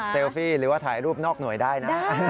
ฟี่หรือว่าถ่ายรูปนอกหน่วยได้นะ